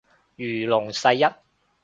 如龍世一